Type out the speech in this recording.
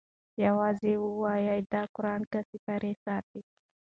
یوازی وایي دا قران که سیپارې ساتی